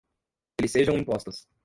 que lhe sejam impostas